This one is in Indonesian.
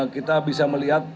kita bisa melihat